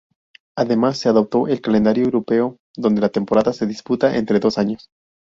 Además, se adoptó el calendario europeo, donde la temporada se disputa entre dos años.